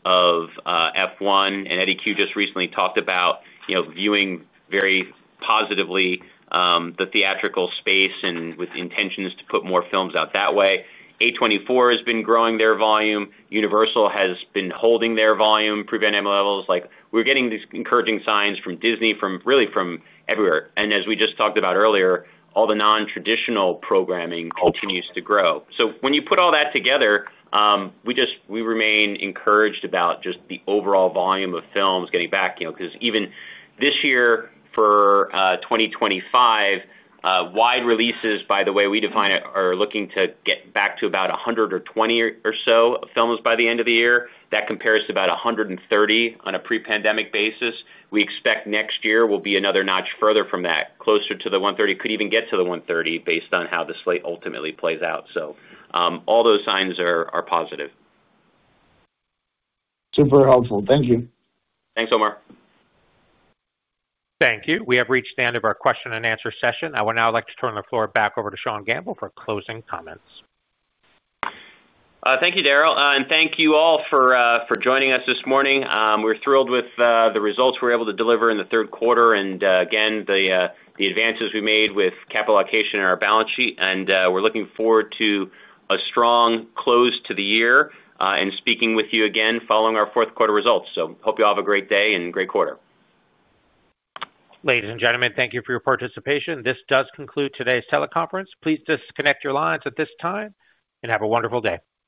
of F1. And Eddie Q just recently talked about viewing very positively the theatrical space and with intentions to put more films out that way. A24 has been growing their volume. Universal has been holding their volume pre-pandemic levels. We're getting these encouraging signs from Disney, really from everywhere. And as we just talked about earlier, all the non-traditional programming continues to grow. When you put all that together, we remain encouraged about just the overall volume of films getting back. Because even this year for 2025, wide releases, by the way we define it, are looking to get back to about 120 or so films by the end of the year. That compares to about 130 on a pre-pandemic basis. We expect next year will be another notch further from that, closer to the 130, could even get to the 130 based on how the slate ultimately plays out. All those signs are positive. Super helpful. Thank you. Thanks, Omar. Thank you. We have reached the end of our question-and-answer session. I would now like to turn the floor back over to Sean Gamble for closing comments. Thank you, Daryl. Thank you all for joining us this morning. We're thrilled with the results we were able to deliver in the third quarter and, again, the advances we made with capital allocation in our balance sheet. We're looking forward to a strong close to the year and speaking with you again following our fourth-quarter results. Hope you all have a great day and great quarter. Ladies and gentlemen, thank you for your participation. This does conclude today's teleconference. Please disconnect your lines at this time and have a wonderful day.